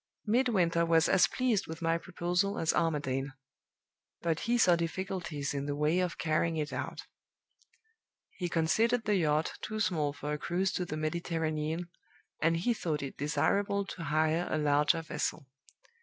"Midwinter was as pleased with my proposal as Armadale; but he saw difficulties in the way of carrying it out. He considered the yacht too small for a cruise to the Mediterranean, and he thought it desirable to hire a larger vessel.